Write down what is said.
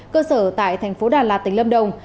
cơ sở tại tp đà lạt tỉnh lâm đồng